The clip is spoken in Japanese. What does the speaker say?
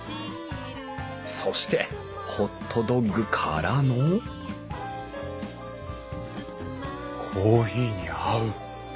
そしてホットドッグからのコーヒーに合う。